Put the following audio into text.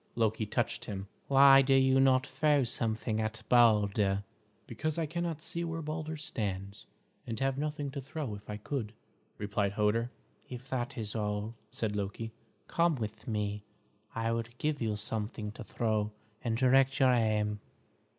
Loki touched him. "Why do you not throw something at Balder?" "Because I cannot see where Balder stands, and have nothing to throw if I could," replied Hoder. "If that is all," said Loki, "come with me. I will give you something to throw, and direct your aim."